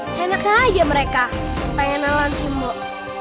senangnya aja mereka pengen nalan simpuk